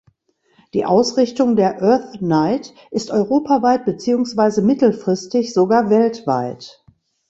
Die Ausrichtung der Earth Night ist europaweit beziehungsweise mittelfristig sogar weltweit.